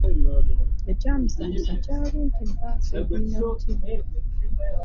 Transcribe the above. Ekyamusanyusa kyali nti bbaasi egenda mu kibuga.